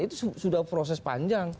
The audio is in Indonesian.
itu sudah proses panjang